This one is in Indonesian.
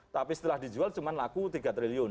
tapi setelah dijual cuma laku tiga triliun